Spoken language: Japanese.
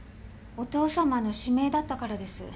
お義父様の指名だったからです